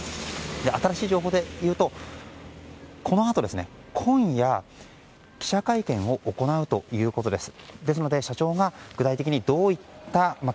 新しい情報で言うとこのあと今夜、記者会見を行うということです。